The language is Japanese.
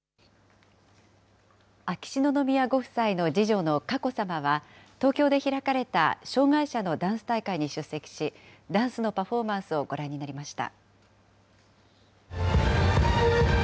秋篠宮ご夫妻の次女の佳子さまは、東京で開かれた障害者のダンス大会に出席し、ダンスのパフォーマンスをご覧になりました。